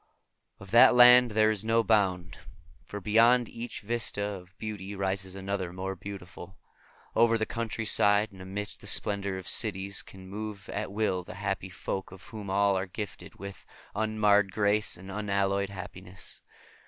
Of that land there is no bound, for beyond each vista of beauty rises another more beautiful. Over the countryside and amidst the splendor of cities can move at will the happy folk, of whom all are gifted with unmarred grace and unalloyed happiness.